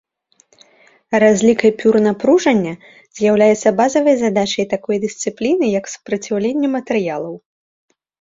Разлік эпюр напружання з'яўляецца базавай задачай такой дысцыпліны, як супраціўленне матэрыялаў.